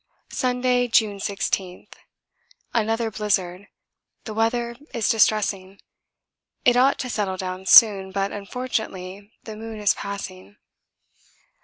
Sunday, June 18. Another blizzard the weather is distressing. It ought to settle down soon, but unfortunately the moon is passing.